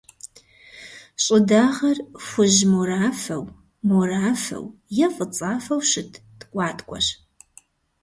ЩӀыдагъэр — хужь-морафэу, морафэу е фӀыцӀафэу щыт ткӀуаткӀуэщ.